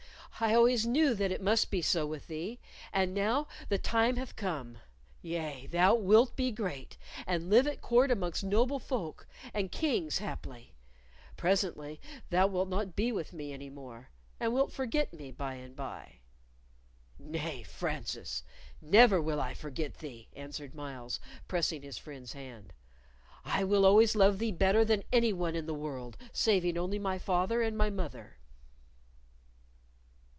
"I always knew that it must be so with thee, and now the time hath come. Yea, thou wilt be great, and live at court amongst noble folk, and Kings haply. Presently thou wilt not be with me any more, and wilt forget me by and by." "Nay, Francis, never will I forget thee!" answered Myles, pressing his friend's hand. "I will always love thee better than any one in the world, saving only my father and my mother."